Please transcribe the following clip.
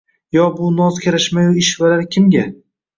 Yo bu noz-karashmayu ishvalar kimga?